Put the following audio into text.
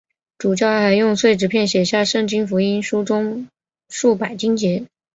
主教还用碎纸片写下圣经福音书中数百经节。